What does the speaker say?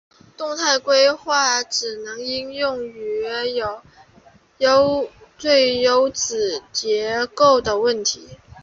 动态规划只能应用于有最优子结构的问题。